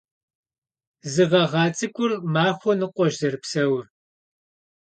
Зы гъэгъа цӀыкӀур махуэ ныкъуэщ зэрыпсэур.